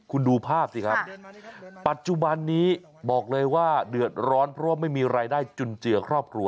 คุณดูภาพสิครับปัจจุบันนี้บอกเลยว่าเดือดร้อนเพราะว่าไม่มีรายได้จุนเจือครอบครัว